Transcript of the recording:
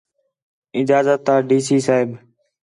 اجازت آں ڈی سی صاحب